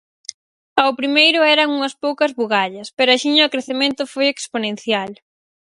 Ao primeiro eran unhas poucas bugallas, pero axiña o crecemento foi exponencial.